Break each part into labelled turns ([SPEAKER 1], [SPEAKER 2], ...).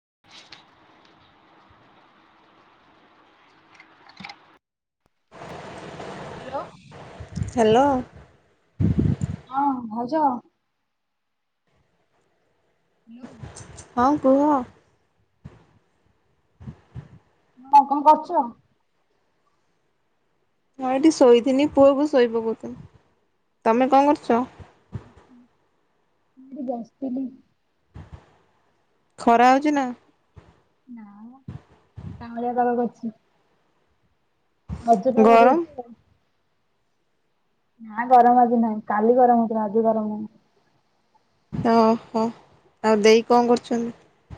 [SPEAKER 1] [unintelligible] Hello.
[SPEAKER 2] Hello.
[SPEAKER 1] ହଁ ଭାଉଜ? Hello.
[SPEAKER 2] ହଁ କୁହ।
[SPEAKER 1] ହଁ କଣ କରୁଛ?
[SPEAKER 2] ହଁ, ଏଠି ଶୋଇଥିଲି ପୁଅକୁ ଶୋଇ ପକାଉଥଲି। ତମେ କଣ କରୁଛ?
[SPEAKER 1] ମୁଁ ବସିଥିଲି।
[SPEAKER 2] ଖରା ହଉଛି ନା?
[SPEAKER 1] ନାଁ ମ କାହାଳିଆ କାହାଳିଆ କରି ହ [inaudible] ରଜ ପାଗ [unintelligible]
[SPEAKER 2] ଗରମ
[SPEAKER 1] ଦେଇଛି ନା ଗରମ ଆଜି ନାହିଁ କାଲି ଗରମ ହଉଥିଲା ଆଜି ଗରମ ନାହିଁ।
[SPEAKER 2] ଓହୋ ଆଉ ଦେଇ କଣ କରୁଛନ୍ତି।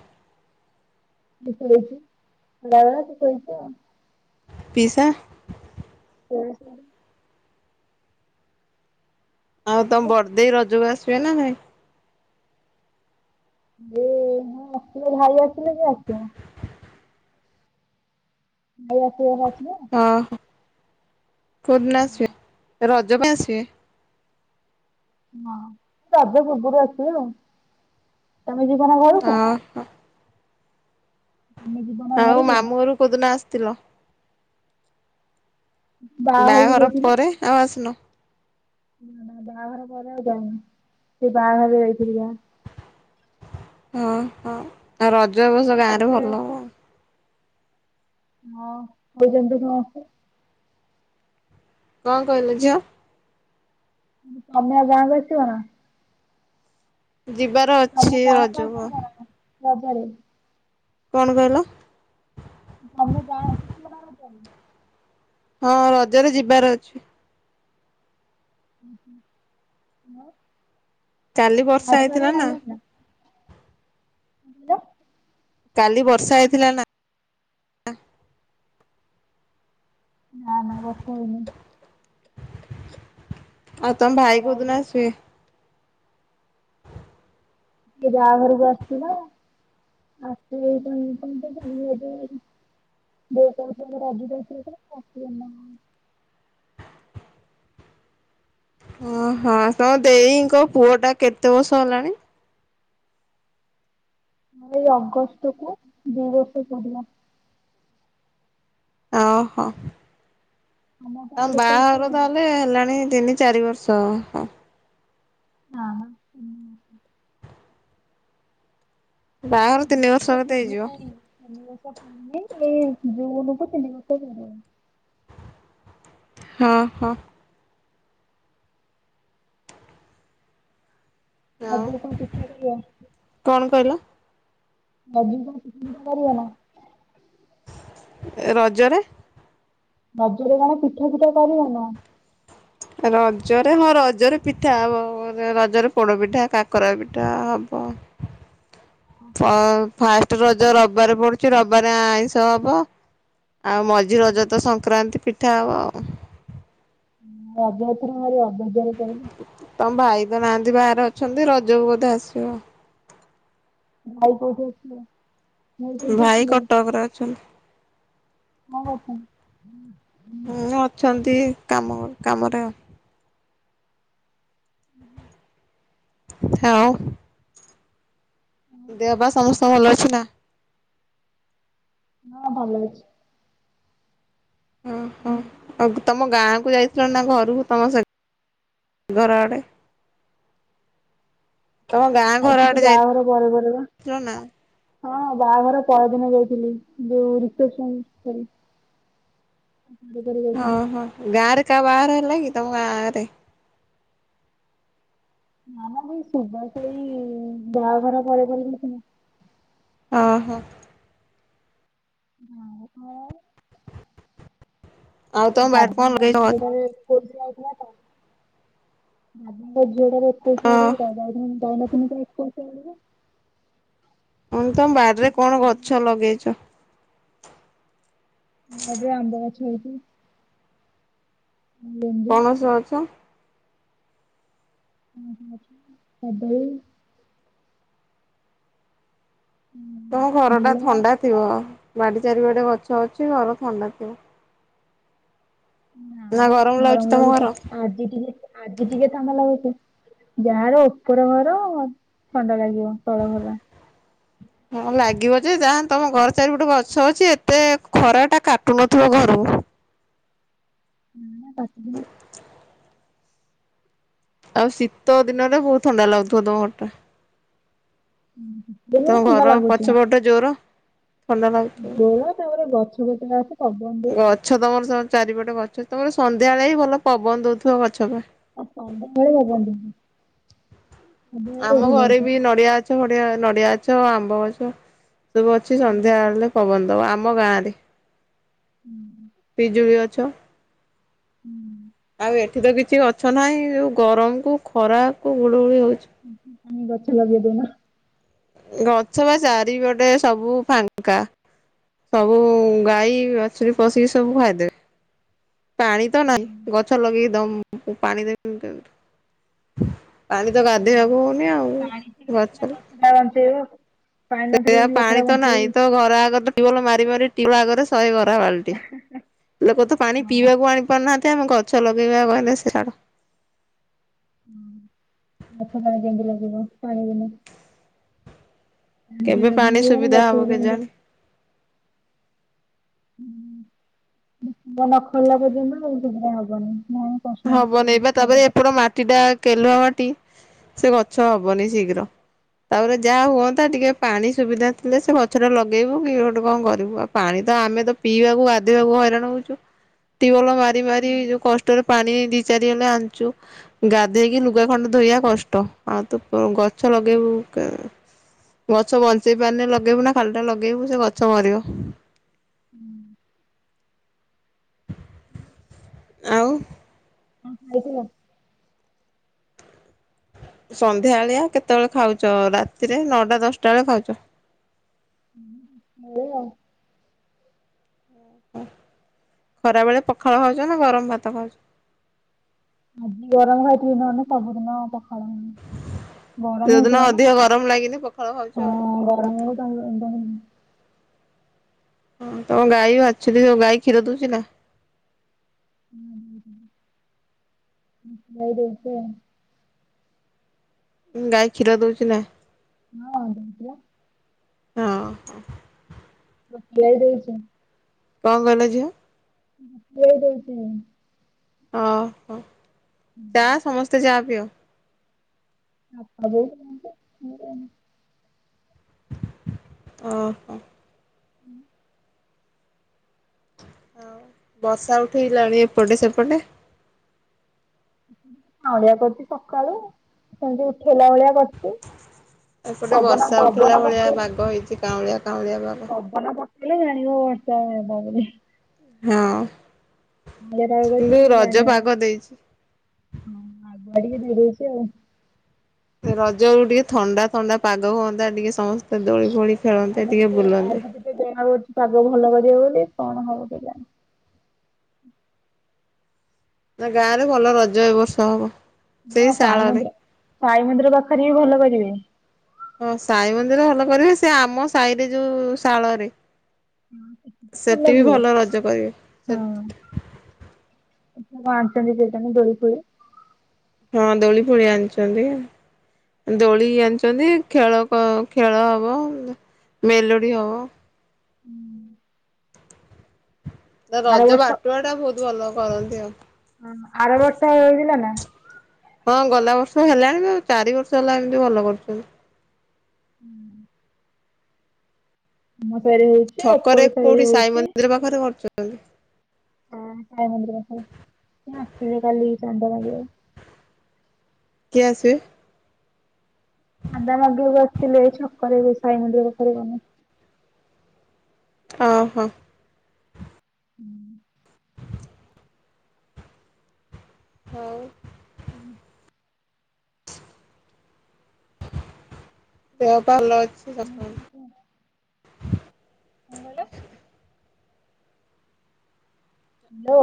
[SPEAKER 1] [unintelligible]
[SPEAKER 2] ପିସା
[SPEAKER 1] ସେ [unintelligible]
[SPEAKER 2] ଆଉ ତମ ବଡଦେଇ ରଜକୁ [unintelligible]
[SPEAKER 1] ଦେ [unintelligible] [unintelligible]
[SPEAKER 2] ଅ ହ। କୁଦିନ ଆସିବେ ରଜ ଜବା ଆସିବେ
[SPEAKER 1] ହଁ ରଜ ପର୍ବରୁ ଆସିବେ ଆଉ। ତମେ ଯିବନା ଘରକୁ?
[SPEAKER 2] ଓହୋ
[SPEAKER 1] ଆମେ ଯିବୁନା
[SPEAKER 2] ଆଉ
[SPEAKER 1] ଘରକୁ?
[SPEAKER 2] ମାମୁଁଘରୁ କୋଦିନ ଆସୁ ତିଲ
[SPEAKER 1] ବାହାଘରକୁ
[SPEAKER 2] ବାହାଘର
[SPEAKER 1] ଯାଇଥିଲେ
[SPEAKER 2] ପରେ ଆଉ ଆସିନ?
[SPEAKER 1] ନା ନା ବାହାଘର ପରେ ଆଉ ଯାାଇନି ସେ ବାହାଘର ରେ ଯାଇଥିଲି ଯାହା।
[SPEAKER 2] ହଁ ହଁ ଆଉ ରଜ ରଜକୁ ଗାଁ ରେ
[SPEAKER 1] ତମେ
[SPEAKER 2] ଭଲ ହବ [unintelligible]
[SPEAKER 1] ହଁ [unintelligible]
[SPEAKER 2] କଣ କହିଲୁ ଝିଅ?
[SPEAKER 1] ତମେ ଆଉ ଗାଁକୁ ଆସିବ ନା?
[SPEAKER 2] ଯିବାର
[SPEAKER 1] ତମେ
[SPEAKER 2] ଅଛି
[SPEAKER 1] ଗାଁକୁ
[SPEAKER 2] ରଜକୁ
[SPEAKER 1] ଆସିବ
[SPEAKER 2] ଆଉ।
[SPEAKER 1] ନା ରଜରେ
[SPEAKER 2] କଣ କହିଲ
[SPEAKER 1] ତମେ ଗାଁକୁ ଆସିବ ନା ରଜରେ?
[SPEAKER 2] ହଁ ରଜରେ ଯିବାର ଅଛି।
[SPEAKER 1] ଉଁ ହୁଁ ଆଉ।
[SPEAKER 2] କାଲି ବର୍ଷା ହେଇଥିଲା ନା।
[SPEAKER 1] ହାଲୋ।
[SPEAKER 2] କାଲି ବର୍ଷା ହେଇଥିଲା ନା। [inaudible]
[SPEAKER 1] ନା ନା ବର୍ଷା ହେଇନି।
[SPEAKER 2] ଆଉ ତମ
[SPEAKER 1] ଖାଲି
[SPEAKER 2] ଭାଇ
[SPEAKER 1] ଖରା
[SPEAKER 2] କୋଉ ଦିନ
[SPEAKER 1] ହେଇଥିଲା।
[SPEAKER 2] ଆସିବେ।
[SPEAKER 1] ସେ ବାହାଘରକୁ ଆସିଥିଲା [unintelligible]
[SPEAKER 2] ଅହଁ ତୋ ଦେଇଙ୍କ ପୁଅ ଟା କେତେ ବର୍ଷ ହେଲାଣି।
[SPEAKER 1] ଏଇ ଅଗଷ୍ଟ କୁ ଦି ବର୍ଷ ପୁରିଲା।
[SPEAKER 2] ଓହୋ
[SPEAKER 1] ତମ କଣ
[SPEAKER 2] ହ
[SPEAKER 1] କେତେ ବର୍ଷ
[SPEAKER 2] ବାହାଘର ତା
[SPEAKER 1] ହେଲାଣି?
[SPEAKER 2] ହେଲେ ହେଲାଣି ତିନି ଚାରି ବର୍ଷ ହଁ।
[SPEAKER 1] ଆ ହଁ
[SPEAKER 2] ବାହାଘର ତିନି ବର୍ଷ କେତେ
[SPEAKER 1] ପୁରୀ
[SPEAKER 2] ହେଇଯିବ।
[SPEAKER 1] ନାହିଁ ତିନି ବର୍ଷ ଏଇ ଜୁନୁ କୁ ତିନି ବର୍ଷ ହେଇଗଲାଣି।
[SPEAKER 2] ହଁ ହଁ। ଆଉ
[SPEAKER 1] ରଜରେ କଣ ପିଠା କରିବ।
[SPEAKER 2] କଣ କହିଲ
[SPEAKER 1] ଆଜିି [unintelligible]
[SPEAKER 2] ରଜରେ
[SPEAKER 1] ରଜରେ କଣ ପିଠା ଫିଠା କରିବନା।
[SPEAKER 2] ରଜ ହଁ ରଜରେ ପିଠା ହବ। ରଜରେ ପୋଡ ପିଠା, କାକରା ପିଠା ହବ। ଫାଷ୍ଟ ର ଯ ରବିବାରେ ପଡୁଛି ରବିବାରେ ଆଇଁଷ ହବ। ଆଉ ମଝି ରଜ ତ ସଂକ୍ରାନ୍ତି ପି ଖିଆହବ ଆଉ
[SPEAKER 1] ରଜ ଏଥର ଭାରି ଅବାଗିଆରେ ପଳେଇଲା
[SPEAKER 2] ତମ ଭାଇ ନାହାନ୍ତି ବାହାରେ ଅଛନ୍ତି ରଜକୁ ବୋଧେ ଆସି ସୁଅ
[SPEAKER 1] ଭାଇ କଉଠି ଅଛି ଏ
[SPEAKER 2] ଭାଇ କଟକରେ ଅଛନ୍ତି।
[SPEAKER 1] କ ଣ କରୁଛନ୍ତି।
[SPEAKER 2] ହୁଁ ଅଛନ୍ତି କାମ କାମରେ ଆଉ। [inaudible]
[SPEAKER 1] ଉଁ ହୁଁ।
[SPEAKER 2] ହଉ। ଦେହବା ସମସ୍ତେ ସବୁ ଭଲ ଅଛି ନା?
[SPEAKER 1] ହଁ ଭଲ ଅଛି।
[SPEAKER 2] ହଁ, ହଁ ଆଗ ତମ ଗାଁ କ ଯାଇ ଚନା ଘରୁକୁ ତମ ସହିତ ଘର ଆଡେ ତମ ଗାଁ ଘର
[SPEAKER 1] ଯାଇଥିଲି
[SPEAKER 2] ଆଡେ
[SPEAKER 1] ବାହାଘର ପରେ ପରେ ବା
[SPEAKER 2] ଯାଇଥିଲ ନା।
[SPEAKER 1] ହଁ ବାହାଘର ପରଦିନ ଯାଇଥିଲି। ଯୋଉ ରସେପସନ
[SPEAKER 2] ହଁ, ହଁ ଗାଁ ରେ କା ବାହାଘର ହେଲା କିି ତମ ଗାଁ ରେ
[SPEAKER 1] ନା ନା ସେଇ ସୁଭାସ ଏଇ ବାହାଘର ପରେ ପରେ [inaudible]
[SPEAKER 2] ହଁ ହୋ।
[SPEAKER 1] ଅଁହଁ।
[SPEAKER 2] ଆଉ
[SPEAKER 1] ସେ
[SPEAKER 2] ତମ ବାଡିରେ କଣ
[SPEAKER 1] ବାଦାମ [unintelligible]
[SPEAKER 2] ଲଗେଇଛ ଗଛ? ଓ ମୁଁ
[SPEAKER 1] [unintelligible] [inaudible] [unintelligible]
[SPEAKER 2] ଆଉ ତମ ବାରିରେ କଣ ଗଛ ଲଗେଇଛ।
[SPEAKER 1] ଆମ ବାରିରେ ଆମ୍ବଗଛ ଲଗେଇଛନ୍ତି।
[SPEAKER 2] ପଣସ ଗଛ।
[SPEAKER 1] [unintelligible] କଦଳି। ଉଁ
[SPEAKER 2] ତମ ଘର ଟା
[SPEAKER 1] ବେଲ
[SPEAKER 2] ଥଣ୍ଡା ଥିବ। ବାଡ଼ି ଚାରି ଗଟେ ଗଛ ଅଛି ଘର ଥଣ୍ଡା ଥିବ।
[SPEAKER 1] ନା ନା ଗରମ ଲାଗୁଛି। ଆଜି ଟିକେ ଆଜି ଟିକେ ଥଣ୍ଡା ଲାଗୁଛି। ଯାହାର ଉପର ଘର ଥଣ୍ଡା ଲାଗିବ ତଳ ଘରରା।
[SPEAKER 2] ହଁ ଲାଗିବ ଯେ ଯାହାନେ ତମ ଘର ଚାରିପଟେ ଗଛ ଅଛି। ଏତେ ଖରା ଟା କାଟୁନଥିବ ଘରୁକୁ।
[SPEAKER 1] ହୁଁ। [unintelligible]
[SPEAKER 2] ଆଉ ଶୀତ ଦିନରେ ବହୁତ ଥଣ୍ଡା ଲାଗୁଥିବ ତମ ଘର ଟା।
[SPEAKER 1] ଦିନେ
[SPEAKER 2] ତମ
[SPEAKER 1] ଥଣ୍ଡା
[SPEAKER 2] ଘର
[SPEAKER 1] ଲାଗୁଛି।
[SPEAKER 2] ପଛ ପଟେ ଜୋର। ଥଣ୍ଡା
[SPEAKER 1] ଜୋର ତାପରେ ଗଛ ପତ୍ର ଆସି ପବନ ଦିଏ
[SPEAKER 2] ଲାଗୁଥିବ ଗଛ ତମର ତ ଚାରିପଟ ଗଛ। ତମର ସନ୍ଧ୍ୟାବେଳେ ହିଁ ଭଲ ପବନ ଦଉଥିବ ଗଛ ପାଇଁା
[SPEAKER 1] ଆ ସଦାବେଳେ ପବନ ଦଉଚି।
[SPEAKER 2] ଆମ ଘରେ ବି ନଡିଆ ଛ ଭଡିଆ ନଡିଆ ଅଛ ଆମ୍ବ ଗଛ। ସବୁ ଅଛି ସନ୍ଧ୍ୟା ବେଳେ ପବନ ଦବ ଆମ ମ ଗାଁରେ।
[SPEAKER 1] ହୁଁ।
[SPEAKER 2] ଛ।
[SPEAKER 1] ହୁଁ।
[SPEAKER 2] ଆଉ ଏଠି ତ କିଛି ଗଛ ନାହିଁ। ଯଉ ଗରମ କୁ ଖରା କୁ ଗୁଳୁ ଗୁଳି ହୋଉ
[SPEAKER 1] ହୁଁ ହୁଁ। ତମେ ଗଛ ଲଗେଇ ଦୋଉନ।
[SPEAKER 2] ଗଛ ବା ଚାରିପଟେ ସବୁ ଫାଙ୍କା। ସବୁ ଗାଈ ବାଛୁରି ପଶିକି ସବୁ ଖାଇଦେବେ। ପାଣି ତ ନାହିଁ ଗଛ ଲଗେଇଦମ [unintelligible] ପାଣି ଦେମି କେମିତି। ପାଣି ତ ଗାଧୋଇବାକୁ ହଉନି ଆଉ ଗଛରେ
[SPEAKER 1] ଗଛଟା ବଞ୍ଚେଇବ ପାଣି ନଥିଲେ
[SPEAKER 2] ସେଆ
[SPEAKER 1] କେମିତି ଗଛଟା
[SPEAKER 2] ପାଣି ତ
[SPEAKER 1] ବଞ୍ଚିବ
[SPEAKER 2] ନାହିଁ
[SPEAKER 1] କି
[SPEAKER 2] ତ ଘର ଆଗରେ ତିବଳ ମାରି ମାରି ତିଗରେ ଶହେ ବାଲଟି ଲୋକ ତ ପାଣି ପିଇବାକୁ ଆଣି ପାରୁନାହାନ୍ତି। କେତେ ଆମେ ଗଛ ଲଗେଇବାଉ କହିଲିଲ ସେ ସଡ
[SPEAKER 1] ହଁ ମାଛ ପାଣି କେକି ଲାଗିବ ପାଣି ପିନି
[SPEAKER 2] କେବେ ପାଣି
[SPEAKER 1] ମିଳିବନି
[SPEAKER 2] ସୁବିଧା
[SPEAKER 1] ଗଛ
[SPEAKER 2] ହବ
[SPEAKER 1] କେମିତି
[SPEAKER 2] କେଜାଣି।
[SPEAKER 1] ମ ନ ଖୋଲା ପର୍ଯ୍ୟନ୍ତ ଆ ସେଧା ହବନି [inaudible]
[SPEAKER 2] ହବ ନବା ତାପରେ
[SPEAKER 1] କଷ୍ଟ
[SPEAKER 2] ଏପଟ ମାଟି ଟା କେଲୁଆ ମାଟି ସେ ଗଛ ହବନି ଶୀଘ୍ର ତାପରେ ଯାହା ହୁଅନ୍ତା ଟିକେ ପାଣି ସୁବିଧା ଥିଲେ ସେ ଗଛ ଟା ଲଗେଇବୁ କି ଗୋଟେ କଣ କରିବୁ ଆଉ ପାଣି ତ ଆମେ ତ ପିଇବାକୁ ବାଧିବାକୁ ହଇରାଣ ହଉଛୁ ଟବଲ ମାରି ମାରି ଯୋଉ କଷ୍ଟରେ ପାଣି ଦି ଚାରିଗଲେ ଆଣିଚୁ ଗାଧେଇକି ଲୁଗା ଖଣ୍ଡ ଧୋଇବା କଷ୍ଟ ଆଉ ତୁ ଗଛ ଲଗେଇବୁ ଗଛ ବଞ୍ଚେଇ ପାରିଲେ ଲଗେଇବୁ ନା ଖାଲି ଟା ଲଗେଇବୁ ସେ ଗଛ ମରିବ
[SPEAKER 1] ହୁଁ
[SPEAKER 2] ଆଉ
[SPEAKER 1] ହ ଖାଇଦଥିଲା?
[SPEAKER 2] ସନ୍ଧ୍ୟାବେଳିଆ କେତେବେଳେ ଖାଉଛ ରାତିରେ ନଅଟା ଦଶଟା ବେଳେ ଖାଉଛ,।
[SPEAKER 1] ହ ମ ଆ [inaudible]
[SPEAKER 2] ଖରା ବେଳେ ପଖାଳ ଖାଉଛ ନା ଗରମ ଭାତ ଖାଉଛ?
[SPEAKER 1] ଆଜି ଗରମ ଖାଇଥିଲିବି ନହଲେ ସବୁଦିନ ହ ଗଡ଼
[SPEAKER 2] ଯୋଉଦିନ
[SPEAKER 1] ମତଣ
[SPEAKER 2] ଅଧିକ ଗରମ ଲାଗିନି ପଖାଳ ଖାଉଛ ଆଉ।
[SPEAKER 1] ହଁ ଗ ମ [inaudible]
[SPEAKER 2] ହ ତମ ଗାଈ ବି ବାଜିୁଛନ୍ତିୋ ଗାଈ କ୍ଷୀର ଦଉଛି ନା?
[SPEAKER 1] ହ ଯଇ ଦେଇଛ
[SPEAKER 2] ଁ ଗାଈ କ୍ଷୀର ଦଉଛିି ନ?
[SPEAKER 1] ହଁ ଦେତିଆ
[SPEAKER 2] ହଁ
[SPEAKER 1] ମୁ ଖଆାଇ ଦେଇଛି।
[SPEAKER 2] କଣ ଗଲେ ଝିୁଅ
[SPEAKER 1] ହେଇ ଦେଇଉଛି।
[SPEAKER 2] ଓ ହ [inaudible] ଚା ସମସ୍ତେ ଚା ପିଅ
[SPEAKER 1] ଆ
[SPEAKER 2] ଓ ହୋ।
[SPEAKER 1] ହୁଁ।
[SPEAKER 2] ହ ବସା ଉଠେଇଲାଣି ଏପଟେ ସେପଟେ
[SPEAKER 1] ପାାଉଁଡିଆ କରୁଛି ସକାଳୁ ସେମିତି ଉଠ ଖେଲା ଭଳିଆ କରଛେ ପବନ ପବନେ
[SPEAKER 2] ଗଁ [inaudible] କାଉଡ଼ିଆ ବାବା
[SPEAKER 1] କେିଲ ଜଣିବ ବୋଲି
[SPEAKER 2] ହଁ।
[SPEAKER 1] ଅଳିଆ ତଳେ କରିଛି
[SPEAKER 2] କିନ୍ତୁ ରଜ
[SPEAKER 1] ଜାଣିହବ
[SPEAKER 2] ପାଗ ଦେଇଛି।
[SPEAKER 1] ହଁ ଆଗୁଆ ଟିକେ ଦେଇ ଦେଉଛି ଆଉ।
[SPEAKER 2] ରଜ ଅଳକୁ ଟିକେ ଥଣ୍ଡା ଥଣ୍ଡା ପାଗ ହୁଅନ୍ତା। ଟିକେ ସମସ୍ତେ ଦୋଳି ଫୋଳି। ଖେଳନ୍ତେ
[SPEAKER 1] ଆଜି
[SPEAKER 2] ଟିକେ
[SPEAKER 1] କେତେ
[SPEAKER 2] ବୁଲନ୍ତେ।
[SPEAKER 1] ଆଜି କେତେ ବେଳ ହଉଛି। ପାଗ ଭଲ କରିବ ବୋଲି କଣ ହବ କେଜାଣି।
[SPEAKER 2] ତା ଗାଁ ରେ ଭଲ ରଜ ଏ ବର୍ଷା ହବ। ସେଇ
[SPEAKER 1] ହଁ ପାଇ
[SPEAKER 2] ଶାଳରେ।
[SPEAKER 1] ମନ୍ଦିର। ସାଇ ମନ୍ଦିର ପାଖରେ ବି ଭଲ କରିବେ।
[SPEAKER 2] ହଁ ସାଇ ମନ୍ଦିର ଭଲ କରିବେ। ସେ ଆମ ସାଇରେ ଯଉ ଶାଳରେ। ସେଠି ବି ଭଲ ରଜ କରିବେ।
[SPEAKER 1] ହଁ [inaudible]
[SPEAKER 2] ହଁ ଦୋଳି ଫୋଳି ଆଣିଛନ୍ତି। ଦୋଳି ଆଣିଛନ୍ତି ଖେଳ ଖେଳ ହବ ମେଲୋଡି ହବ।
[SPEAKER 1] ଫୋଳି ଆର
[SPEAKER 2] ରଜ
[SPEAKER 1] ବର୍ଷ।
[SPEAKER 2] ବାଟୁଆ ଟା ବହୁତ ଭଲ କରନ୍ତି ଆଉ।
[SPEAKER 1] ହଁ ଆର ବର୍ଷ ହେଇଥିଲା ନା। [inaudible]
[SPEAKER 2] ହଁ ଗଲା ବର୍ଷ ହେଲା। ଚାରି ବର୍ଷ ହେଲା ଏମିତି ଭଲ କରୁଛନ୍ତି।
[SPEAKER 1] ହୁଁ। [inaudible] ସାଇ ରେ ହଉଛି
[SPEAKER 2] ଛକରେ
[SPEAKER 1] ଓପର ସାଇ
[SPEAKER 2] କୋଉଠି
[SPEAKER 1] ରେ ହଉଛି।
[SPEAKER 2] ମନ୍ଦିର [unintelligible]
[SPEAKER 1] ହଁ ସାଇ ମନ୍ଦିର ପାଖରେ ଆସିବେ କାଲି ଚାନ୍ଦା ମାଗିବାକୁ।
[SPEAKER 2] କିଏ ଆସିବେ?
[SPEAKER 1] ଚାଦା ମାଗିବା କୁ ଆସିଥିଲେ ଏଇ ଛକରେ ସାଇ ମନ୍ଦିର କରିବନି।
[SPEAKER 2] ଅ ହଃ।
[SPEAKER 1] ହୁଁ।
[SPEAKER 2] ହଉ। [inaudible]
[SPEAKER 1] କଣ କହିଲ। ହାଲୋ।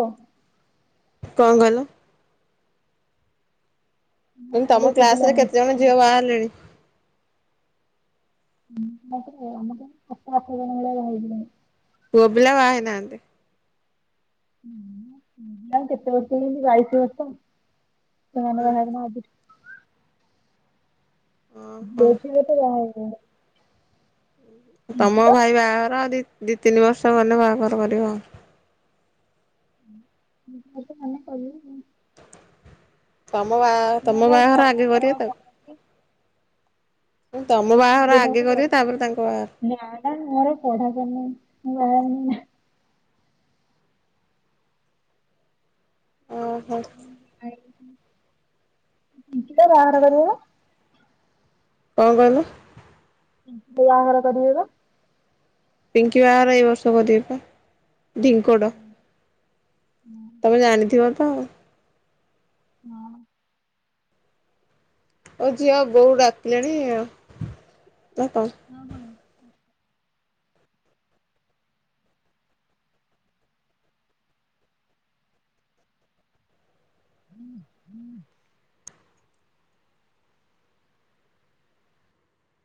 [SPEAKER 2] କଣ କହିଲ।
[SPEAKER 1] ମୁଁ କହିଲି
[SPEAKER 2] ତମ କ୍ଲାସ ରେ
[SPEAKER 1] ଶୁଭିଲାନି।
[SPEAKER 2] କେତେଜଣ ଝିଅ ବାହା ହେଲେଣି?
[SPEAKER 1] ଆମ କ୍ଲାସ ରେ ଆମ କ୍ଲାସ ରେ ସାତ, ଆଠ ଜଣ ଭଳିଆ ବାହା ହେଇଗଲେଣି।
[SPEAKER 2] ପୁଅ ପିଲା ବାହା ହେଇନାହାନ୍ତି।
[SPEAKER 1] ତାଙ୍କୁ କେତେ ବର୍ଷ ହେଇଛି ବାଇସି ବର୍ଷ। ସେମାନେ ବାହା ହେଇ ନାହାନ୍ତି।
[SPEAKER 2] ଓହୋ
[SPEAKER 1] [inaudible]
[SPEAKER 2] ତମ
[SPEAKER 1] ପିଙ୍କିର
[SPEAKER 2] ଭାଇ ବାହାଘର ଆଉ ଦି। ଦି ତିନି ବର୍ଷ ଗଲେ ବାହାଘର କରିବ ଆଉ।
[SPEAKER 1] [inaudible]
[SPEAKER 2] ତମ ବାହା ତମ
[SPEAKER 1] ଏଇନାକେ
[SPEAKER 2] ବାହାଘର
[SPEAKER 1] ଚାଲିଛି
[SPEAKER 2] ଆଗେ
[SPEAKER 1] ତାର
[SPEAKER 2] କରିବେ ତାଉ।
[SPEAKER 1] [unintelligible]
[SPEAKER 2] ଆଗେ
[SPEAKER 1] ନାହିଁ
[SPEAKER 2] କରିବେ ତାପରେ ତାଙ୍କ ବାହାଘର
[SPEAKER 1] ବା ମୋର ପଢ଼ା ସରିନି [unintelligible]
[SPEAKER 2] ଓହୋ
[SPEAKER 1] [unintelligible] ବାହାରବେ
[SPEAKER 2] କଣ କହିଲ
[SPEAKER 1] [unintelligible] କରିିବ ବା
[SPEAKER 2] ପିଙ୍କି ବାହର ଏଇ ବର୍ଷ କରିବେବା ଢିଙ୍କଡ ତମେ ଜାଣିଥିବ ହଁ
[SPEAKER 1] ହଁ
[SPEAKER 2] ହଉ ଝିଅ ବୋଉ ଡାକିଲାଣି ଆଉ ନା କଣ?
[SPEAKER 1] ଓ ହୋଁ ହୁଁ ହୁଁ ହୁଁ